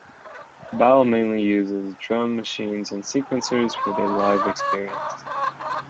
Bile mainly uses drum machines and sequencers for their live experience.